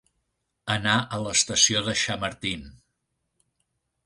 Anar a l'estació de Chamartín.